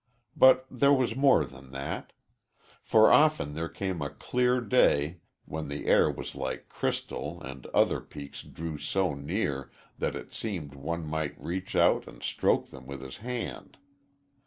But there was more than that. For often there came a clear day, when the air was like crystal and other peaks drew so near that it seemed one might reach out and stroke them with his hand.